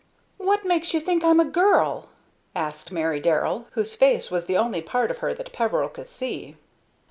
"What makes you think I am a girl?" asked Mary Darrell, whose face was the only part of her that Peveril could see.